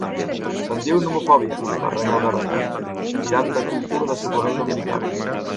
Se'n diu nomofòbia —la renya el Garota, tirant de cultura de suplement dominical.